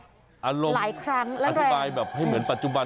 อารมณ์อธิบายแบบให้เหมือนปัจจุบัน